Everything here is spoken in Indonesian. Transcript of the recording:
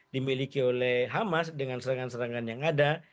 dimiliki oleh hamas dengan serangan serangan yang ada